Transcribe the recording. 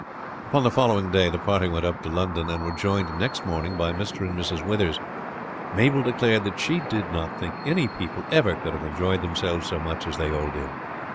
Upon the following day the party went up to London, and were joined next morning by Mr. and Mrs. Withers. Mabel declared that she did not think any people ever could have enjoyed themselves so much as they all did.